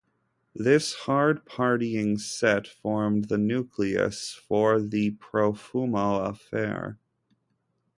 This hard-partying set formed the nucleus for the Profumo Affair.